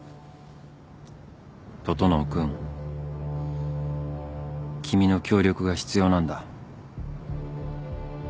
整君君の協力が必要なんだ。